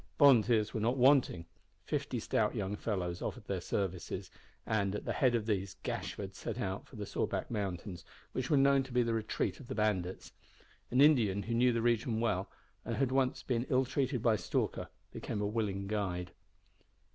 Volunteers were not wanting. Fifty stout young fellows offered their services, and, at the head of these, Gashford set out for the Sawback Mountains, which were known to be the retreat of the bandits. An Indian, who knew the region well, and had once been ill treated by Stalker, became a willing guide.